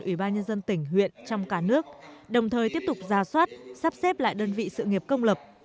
ủy ban nhân dân tỉnh huyện trong cả nước đồng thời tiếp tục ra soát sắp xếp lại đơn vị sự nghiệp công lập